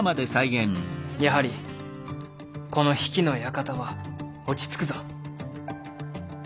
やはりこの比企の館は落ち着くぞ。